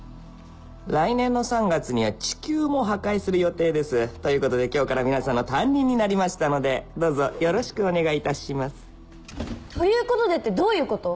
来年の３月には地球も破壊する予定ですということで今日から皆さんの担任になりましたのでどうぞよろしくお願いいたしますということでってどういうこと？